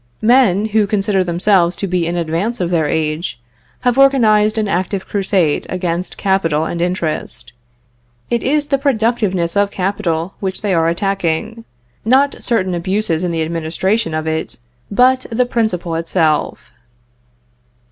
Men, who consider themselves to be in advance of their age, have organized an active crusade against capital and interest; it is the productiveness of capital which they are attacking; not certain abuses in the administration of it, but the principle itself.